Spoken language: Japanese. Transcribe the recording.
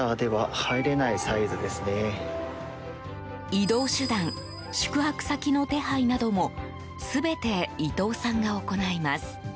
移動手段、宿泊先の手配なども全て伊藤さんが行います。